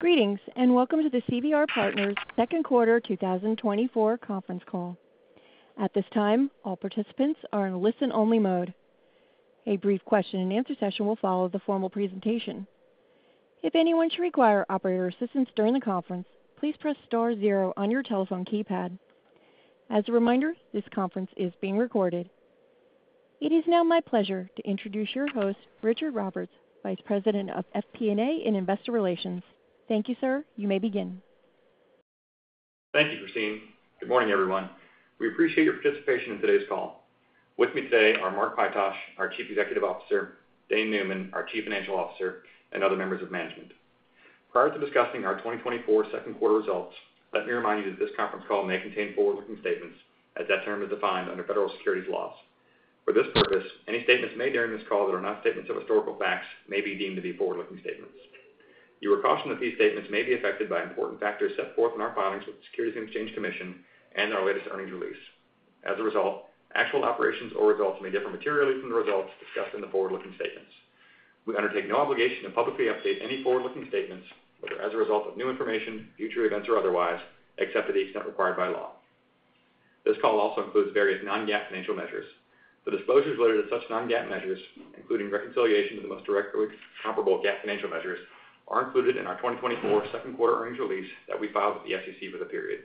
Greetings, and welcome to the CVR Partners second quarter 2024 conference call. At this time, all participants are in listen-only mode. A brief question-and-answer session will follow the formal presentation. If anyone should require operator assistance during the conference, please press star zero on your telephone keypad. As a reminder, this conference is being recorded. It is now my pleasure to introduce your host, Richard Roberts, Vice President of FP&A and Investor Relations. Thank you, sir. You may begin. Thank you, Christine. Good morning, everyone. We appreciate your participation in today's call. With me today are Mark Pytosh, our Chief Executive Officer, Dane Neumann, our Chief Financial Officer, and other members of management. Prior to discussing our 2024 second quarter results, let me remind you that this conference call may contain forward-looking statements, as that term is defined under federal securities laws. For this purpose, any statements made during this call that are not statements of historical facts may be deemed to be forward-looking statements. You are cautioned that these statements may be affected by important factors set forth in our filings with the Securities and Exchange Commission and our latest earnings release. As a result, actual operations or results may differ materially from the results discussed in the forward-looking statements. We undertake no obligation to publicly update any forward-looking statements, whether as a result of new information, future events, or otherwise, except to the extent required by law. This call also includes various non-GAAP financial measures. The disclosures related to such non-GAAP measures, including reconciliation to the most directly comparable GAAP financial measures, are included in our 2024 second quarter earnings release that we filed with the SEC for the period.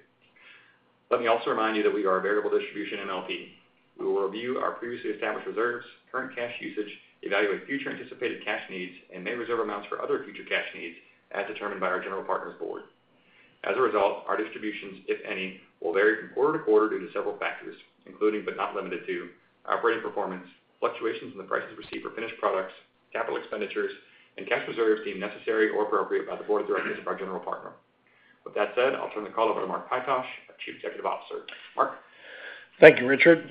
Let me also remind you that we are a variable distribution MLP. We will review our previously established reserves, current cash usage, evaluate future anticipated cash needs, and may reserve amounts for other future cash needs as determined by our general partner's board. As a result, our distributions, if any, will vary from quarter to quarter due to several factors, including but not limited to operating performance, fluctuations in the prices received for finished products, capital expenditures, and cash reserves deemed necessary or appropriate by the board of directors of our general partner. With that said, I'll turn the call over to Mark Pytosh, our Chief Executive Officer. Mark? Thank you, Richard.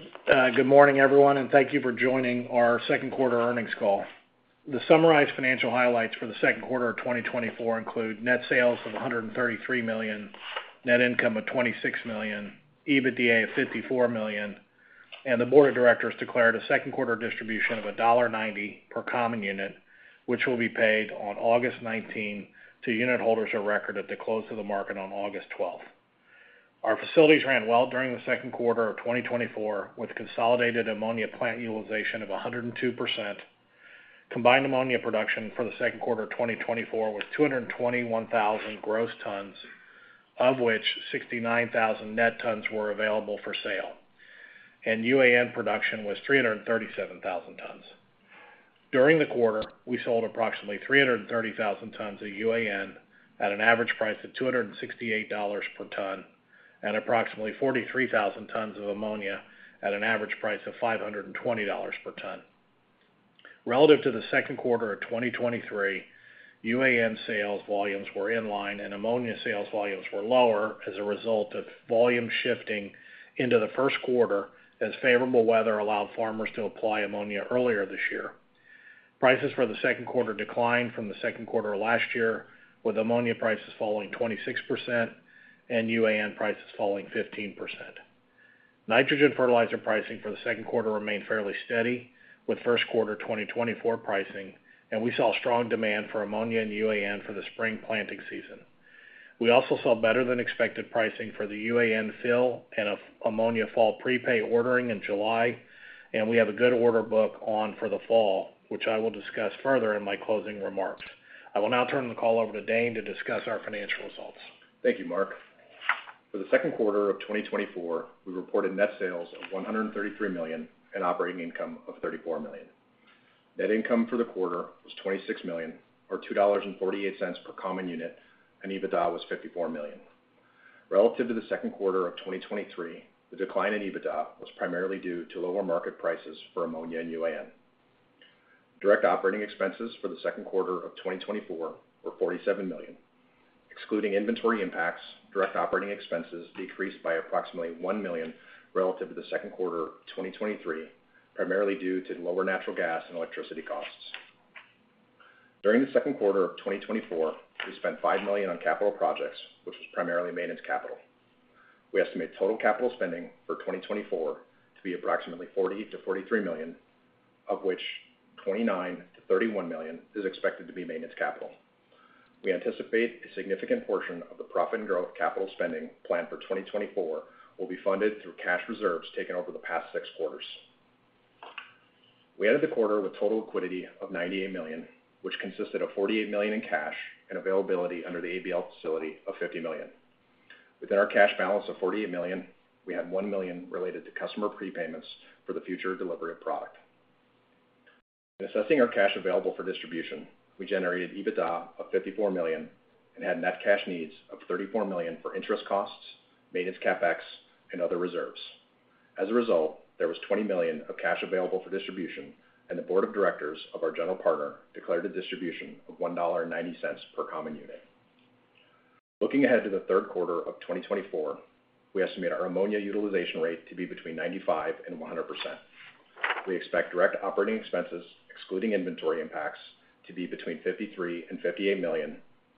Good morning, everyone, and thank you for joining our second quarter earnings call. The summarized financial highlights for the second quarter of 2024 include net sales of $133 million, net income of $26 million, EBITDA of $54 million, and the board of directors declared a second quarter distribution of $1.90 per common unit, which will be paid on August 19 to unitholders of record at the close of the market on August 12. Our facilities ran well during the second quarter of 2024, with consolidated ammonia plant utilization of 102%. Combined ammonia production for the second quarter of 2024 was 221,000 gross tons, of which 69,000 net tons were available for sale, and UAN production was 337,000 tons. During the quarter, we sold approximately 330,000 tons of UAN at an average price of $268 per ton, and approximately 43,000 tons of ammonia at an average price of $520 per ton. Relative to the second quarter of 2023, UAN sales volumes were in line, and ammonia sales volumes were lower as a result of volume shifting into the first quarter, as favorable weather allowed farmers to apply ammonia earlier this year. Prices for the second quarter declined from the second quarter of last year, with ammonia prices falling 26% and UAN prices falling 15%. Nitrogen fertilizer pricing for the second quarter remained fairly steady with first quarter 2024 pricing, and we saw strong demand for ammonia and UAN for the spring planting season. We also saw better-than-expected pricing for the UAN fill and an ammonia fall prepay ordering in July, and we have a good order book on for the fall, which I will discuss further in my closing remarks. I will now turn the call over to Dane to discuss our financial results. Thank you, Mark. For the second quarter of 2024, we reported net sales of $133 million and operating income of $34 million. Net income for the quarter was $26 million, or $2.48 per common unit, and EBITDA was $54 million. Relative to the second quarter of 2023, the decline in EBITDA was primarily due to lower market prices for ammonia and UAN. Direct operating expenses for the second quarter of 2024 were $47 million. Excluding inventory impacts, direct operating expenses decreased by approximately $1 million relative to the second quarter of 2023, primarily due to lower natural gas and electricity costs. During the second quarter of 2024, we spent $5 million on capital projects, which was primarily maintenance capital. We estimate total capital spending for 2024 to be approximately $40 million-$43 million, of which $29 million-$31 million is expected to be maintenance capital. We anticipate a significant portion of the profit and growth capital spending planned for 2024 will be funded through cash reserves taken over the past 6 quarters. We ended the quarter with total liquidity of $98 million, which consisted of $48 million in cash and availability under the ABL facility of $50 million. Within our cash balance of $48 million, we had $1 million related to customer prepayments for the future delivery of product. In assessing our cash available for distribution, we generated EBITDA of $54 million and had net cash needs of $34 million for interest costs, maintenance, CapEx, and other reserves. As a result, there was $20 million of cash available for distribution, and the board of directors of our general partner declared a distribution of $1.90 per common unit. Looking ahead to the third quarter of 2024, we estimate our ammonia utilization rate to be between 95% and 100%. We expect direct operating expenses, excluding inventory impacts, to be between $53 million and $58 million,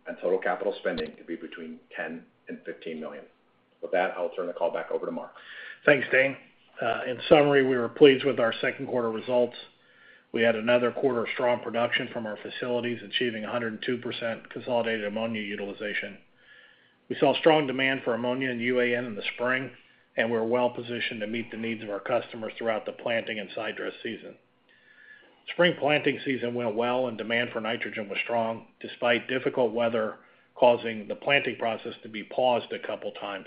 and total capital spending to be between $10 million and $15 million. With that, I'll turn the call back over to Mark. Thanks, Dane. In summary, we were pleased with our second quarter results. We had another quarter of strong production from our facilities, achieving 102% consolidated ammonia utilization. We saw strong demand for ammonia and UAN in the spring, and we're well positioned to meet the needs of our customers throughout the planting and sidedress season. Spring planting season went well, and demand for nitrogen was strong, despite difficult weather causing the planting process to be paused a couple of times.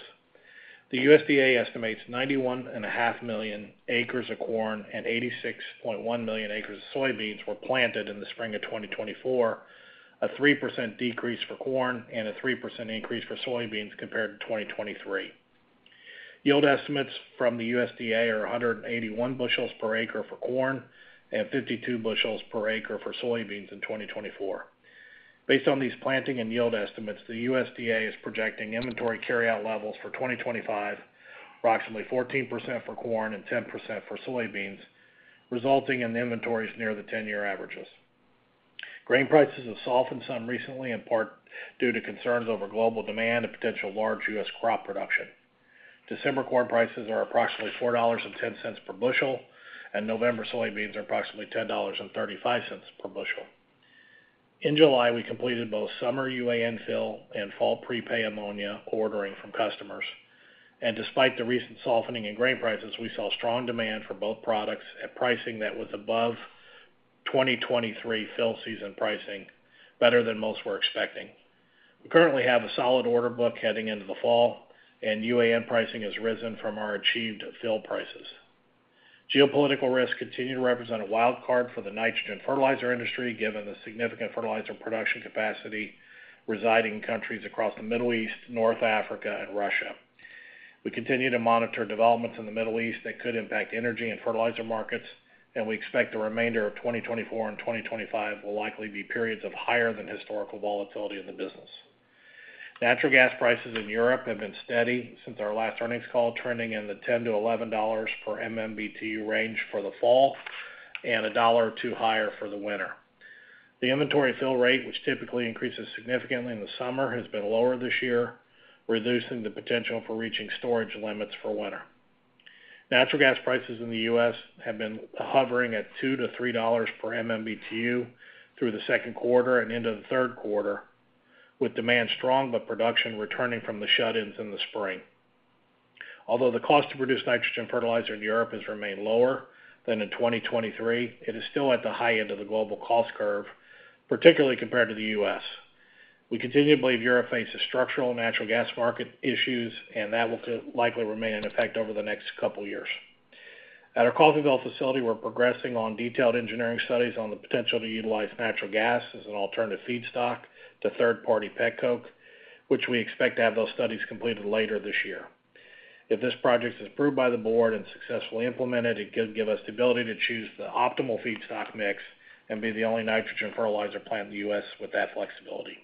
The USDA estimates 91.5 million acres of corn and 86.1 million acres of soybeans were planted in the spring of 2024, a 3% decrease for corn and a 3% increase for soybeans compared to 2023. Yield estimates from the USDA are 181 bushels per acre for corn and 52 bushels per acre for soybeans in 2024. Based on these planting and yield estimates, the USDA is projecting inventory carryout levels for 2025, approximately 14% for corn and 10% for soybeans, resulting in inventories near the 10-year averages. Grain prices have softened some recently, in part due to concerns over global demand and potential large U.S. crop production. December corn prices are approximately $4.10 per bushel, and November soybeans are approximately $10.35 per bushel. In July, we completed both summer UAN fill and fall prepay ammonia ordering from customers, and despite the recent softening in grain prices, we saw strong demand for both products at pricing that was above 2023 fill season pricing, better than most were expecting. We currently have a solid order book heading into the fall, and UAN pricing has risen from our achieved fill prices. Geopolitical risks continue to represent a wild card for the nitrogen fertilizer industry, given the significant fertilizer production capacity residing in countries across the Middle East, North Africa, and Russia. We continue to monitor developments in the Middle East that could impact energy and fertilizer markets, and we expect the remainder of 2024 and 2025 will likely be periods of higher than historical volatility in the business. Natural gas prices in Europe have been steady since our last earnings call, trending in the $10-$11 per MMBtu range for the fall and a dollar or two higher for the winter. The inventory fill rate, which typically increases significantly in the summer, has been lower this year, reducing the potential for reaching storage limits for winter. Natural gas prices in the U.S. have been hovering at $2-$3 per MMBtu through the second quarter and into the third quarter, with demand strong, but production returning from the shut-ins in the spring. Although the cost to produce nitrogen fertilizer in Europe has remained lower than in 2023, it is still at the high end of the global cost curve, particularly compared to the U.S. We continue to believe Europe faces structural natural gas market issues, and that will likely remain in effect over the next couple of years. At our Coffeyville facility, we're progressing on detailed engineering studies on the potential to utilize natural gas as an alternative feedstock to third-party petcoke, which we expect to have those studies completed later this year. If this project is approved by the board and successfully implemented, it could give us the ability to choose the optimal feedstock mix and be the only nitrogen fertilizer plant in the U.S. with that flexibility.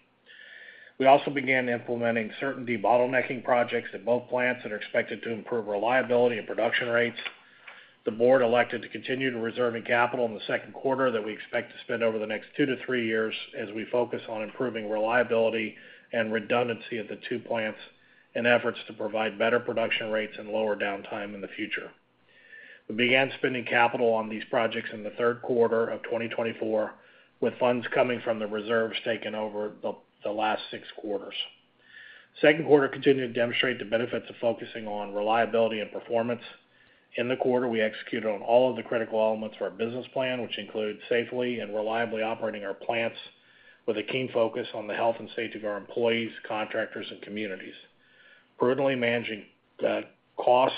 We also began implementing certain debottlenecking projects at both plants that are expected to improve reliability and production rates. The board elected to continue to reserve in capital in the second quarter that we expect to spend over the next 2-3 years as we focus on improving reliability and redundancy at the two plants in efforts to provide better production rates and lower downtime in the future. We began spending capital on these projects in the third quarter of 2024, with funds coming from the reserves taken over the last 6 quarters. Second quarter continued to demonstrate the benefits of focusing on reliability and performance. In the quarter, we executed on all of the critical elements of our business plan, which include safely and reliably operating our plants with a keen focus on the health and safety of our employees, contractors, and communities, prudently managing the cost,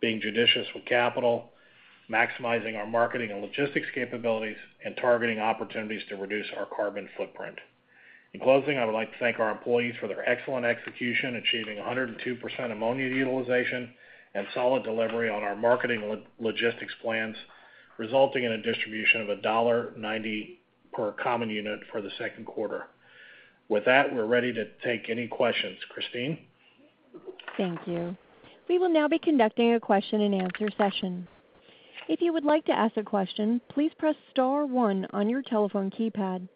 being judicious with capital, maximizing our marketing and logistics capabilities, and targeting opportunities to reduce our carbon footprint. In closing, I would like to thank our employees for their excellent execution, achieving 102% ammonia utilization and solid delivery on our marketing logistics plans, resulting in a distribution of $1.90 per common unit for the second quarter. With that, we're ready to take any questions. Christine? Thank you. We will now be conducting a question-and-answer session. If you would like to ask a question, please press star one on your telephone keypad.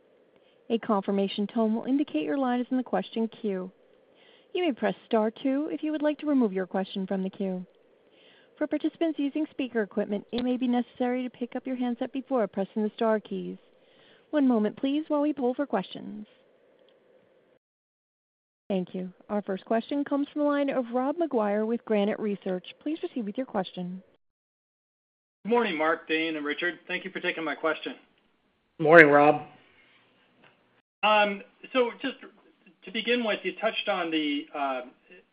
A confirmation tone will indicate your line is in the question queue. You may press Star two if you would like to remove your question from the queue. For participants using speaker equipment, it may be necessary to pick up your handset before pressing the star keys. One moment, please, while we pull for questions. Thank you. Our first question comes from the line of Rob McGuire with Granite Research. Please proceed with your question. Good morning, Mark, Dane, and Richard. Thank you for taking my question. Morning, Rob. So just to begin with, you touched on the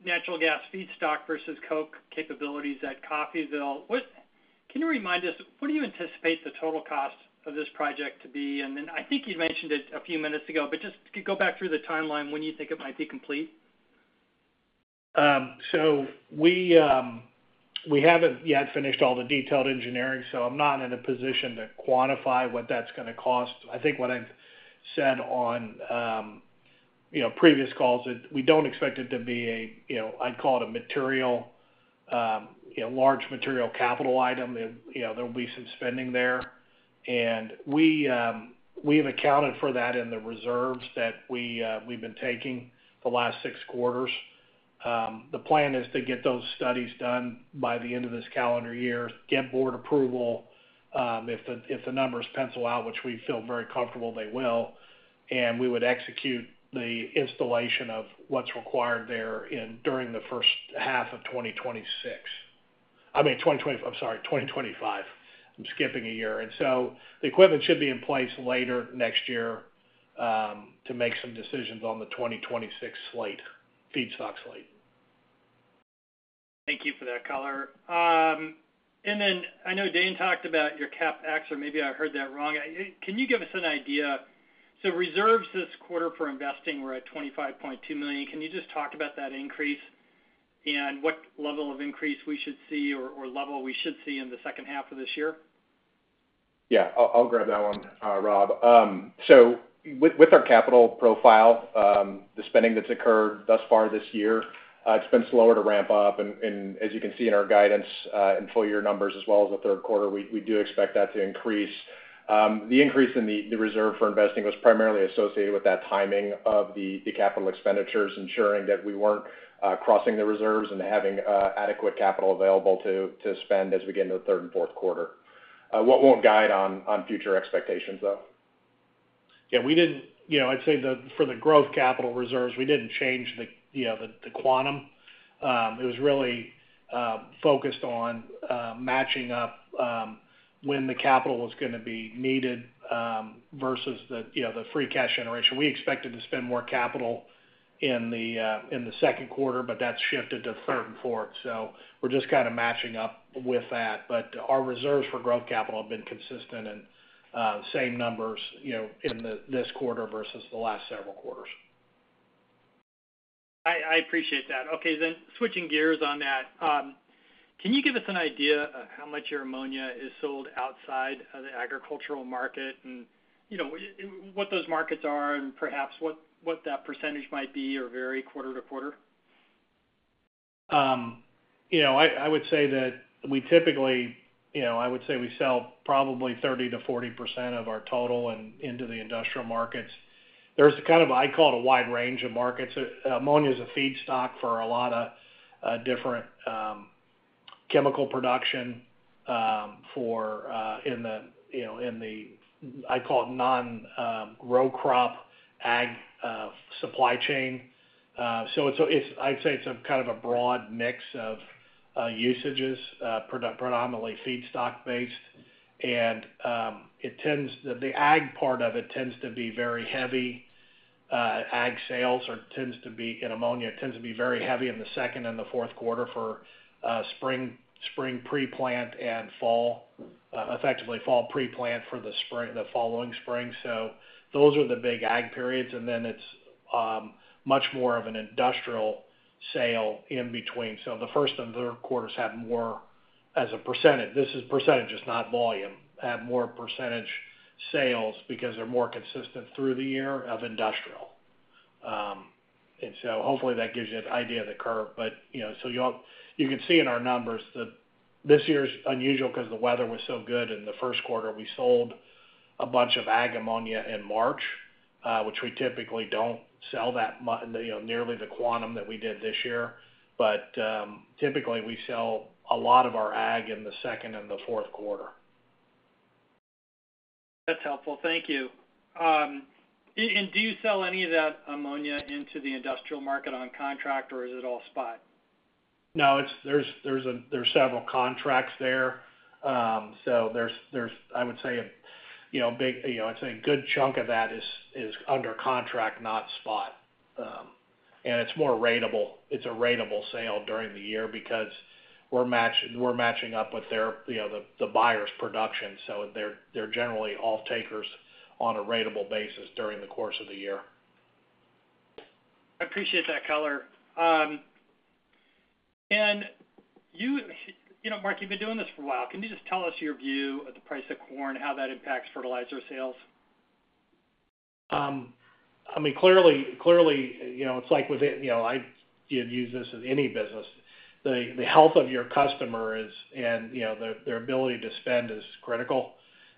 natural gas feedstock versus coke capabilities at Coffeyville. Can you remind us what you anticipate the total cost of this project to be? And then I think you mentioned it a few minutes ago, but just to go back through the timeline, when you think it might be complete. So we, we haven't yet finished all the detailed engineering, so I'm not in a position to quantify what that's gonna cost. I think what I've said on, you know, previous calls, that we don't expect it to be a, you know, I'd call it a material, you know, large material capital item. You know, there will be some spending there, and we, we have accounted for that in the reserves that we, we've been taking the last six quarters... The plan is to get those studies done by the end of this calendar year, get board approval, if the numbers pencil out, which we feel very comfortable they will, and we would execute the installation of what's required there during the first half of 2026. I mean, 2025. I'm sorry, 2025. I'm skipping a year. The equipment should be in place later next year, to make some decisions on the 2026 slate, feedstock slate. Thank you for that color. And then I know Dane talked about your CapEx, or maybe I heard that wrong. Can you give us an idea... So reserves this quarter for investing were at $25.2 million. Can you just talk about that increase and what level of increase we should see or, or level we should see in the second half of this year? Yeah, I'll grab that one, Rob. So with our capital profile, the spending that's occurred thus far this year, it's been slower to ramp up, and as you can see in our guidance, and full year numbers, as well as the third quarter, we do expect that to increase. The increase in the reserve for investing was primarily associated with that timing of the capital expenditures, ensuring that we weren't crossing the reserves and having adequate capital available to spend as we get into the third and fourth quarter. We won't guide on future expectations, though? Yeah, we didn't you know, I'd say the, for the growth capital reserves, we didn't change the, you know, the, the quantum. It was really focused on matching up when the capital was gonna be needed versus the, you know, the free cash generation. We expected to spend more capital in the, in the second quarter, but that's shifted to third and fourth. So we're just kind of matching up with that. But our reserves for growth capital have been consistent and same numbers, you know, in the, this quarter versus the last several quarters. I appreciate that. Okay, then switching gears on that, can you give us an idea of how much your ammonia is sold outside of the agricultural market? And, you know, what those markets are and perhaps what that percentage might be or vary quarter to quarter. You know, I would say that we typically, you know, I would say we sell probably 30%-40% of our total and into the industrial markets. There's kind of, I call it, a wide range of markets. Ammonia is a feedstock for a lot of different chemical production for in the, you know, in the, I call it non row crop ag supply chain. So it's- I'd say it's a kind of a broad mix of usages predominantly feedstock based. It tends... The ag part of it tends to be very heavy ag sales or tends to be- and ammonia tends to be very heavy in the second and the fourth quarter for spring pre-plant and fall effectively fall pre-plant for the spring, the following spring. So those are the big ag periods, and then it's much more of an industrial sale in between. So the first and third quarters have more as a percentage, this is percentages, not volume. Have more percentage sales because they're more consistent through the year of industrial. And so hopefully that gives you an idea of the curve. But, you know, so you can see in our numbers that this year's unusual 'cause the weather was so good in the first quarter. We sold a bunch of ag ammonia in March, which we typically don't sell that—you know, nearly the amount that we did this year. But typically, we sell a lot of our ag in the second and the fourth quarter. That's helpful. Thank you. Do you sell any of that ammonia into the industrial market on contract, or is it all spot? No, it's, there's several contracts there. So there's, I would say, you know, a big, you know, it's a good chunk of that is under contract, not spot. And it's more ratable. It's a ratable sale during the year because we're matching up with their, you know, the buyer's production, so they're generally all takers on a ratable basis during the course of the year. I appreciate that color. You know, Mark, you've been doing this for a while. Can you just tell us your view of the price of corn, how that impacts fertilizer sales? I mean, clearly, clearly, you know, it's like with it, you know, I'd use this as any business. The health of your customer is, and, you know, their ability to spend is critical.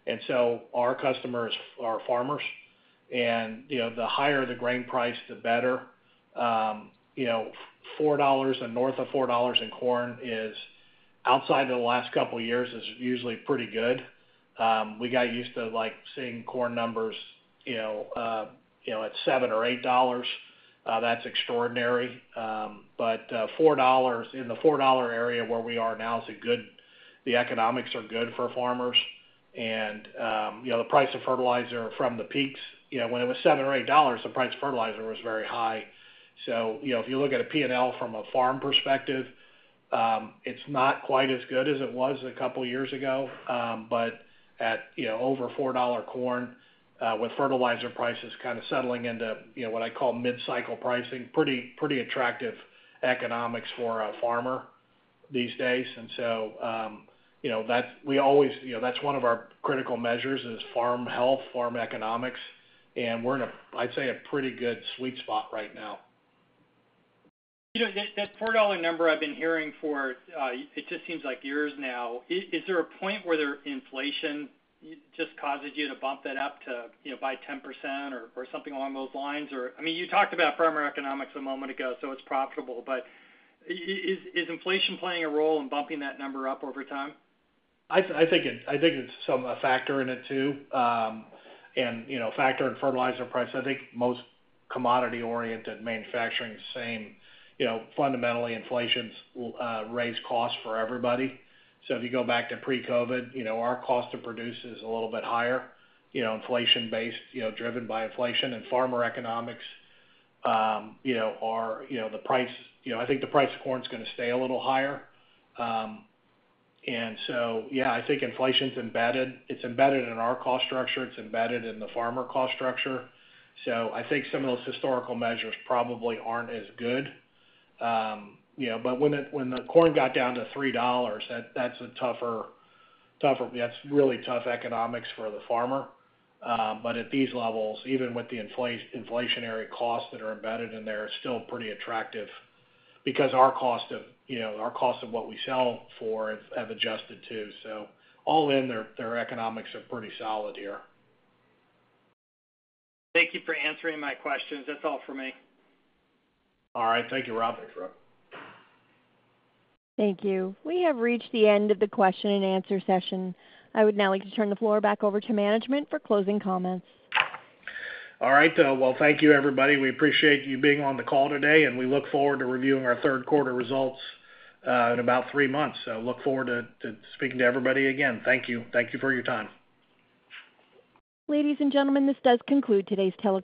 And so our customers are farmers, and, you know, the higher the grain price, the better. You know, $4 and north of $4 in corn is, outside the last couple of years, is usually pretty good. We got used to, like, seeing corn numbers, you know, you know, at $7 or $8. That's extraordinary. But $4, in the $4 area where we are now is a good, the economics are good for farmers. And, you know, the price of fertilizer from the peaks, you know, when it was $7 or $8, the price of fertilizer was very high. So, you know, if you look at a P&L from a farm perspective, it's not quite as good as it was a couple of years ago. But at, you know, over $4 corn, with fertilizer prices kind of settling into, you know, what I call mid-cycle pricing, pretty, pretty attractive economics for a farmer these days. And so, you know, that's. We always, you know, that's one of our critical measures is farm health, farm economics, and we're in a, I'd say, a pretty good sweet spot right now. You know, that $4 number I've been hearing for it just seems like years now. Is there a point where the inflation just causes you to bump that up to, you know, by 10% or something along those lines? Or... I mean, you talked about farmer economics a moment ago, so it's profitable, but is inflation playing a role in bumping that number up over time? I think it's some a factor in it, too. And you know, a factor in fertilizer price. I think most commodity-oriented manufacturing is the same. You know, fundamentally, inflation will raise costs for everybody. So if you go back to pre-COVID, you know, our cost to produce is a little bit higher, you know, inflation-based, you know, driven by inflation and farmer economics. You know, our, you know, the price, you know, I think the price of corn is gonna stay a little higher. And so, yeah, I think inflation's embedded. It's embedded in our cost structure, it's embedded in the farmer cost structure. So I think some of those historical measures probably aren't as good. You know, but when the corn got down to $3, that's a tougher, tougher... That's really tough economics for the farmer. But at these levels, even with the inflationary costs that are embedded in there, it's still pretty attractive because our cost of, you know, our cost of what we sell for have adjusted, too. So all in, their economics are pretty solid here. Thank you for answering my questions. That's all for me. All right. Thank you, Rob. Thank you. We have reached the end of the question and answer session. I would now like to turn the floor back over to management for closing comments. All right, well, thank you, everybody. We appreciate you being on the call today, and we look forward to reviewing our third quarter results in about three months. So look forward to speaking to everybody again. Thank you. Thank you for your time. Ladies and gentlemen, this does conclude today's teleconference.